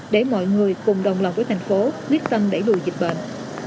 để mọi người cùng đồng lòng với thành phố biết tâm đẩy đùi dịch bệnh